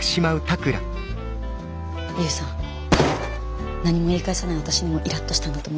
勇さん何も言い返せない私にもイラっとしたんだと思います。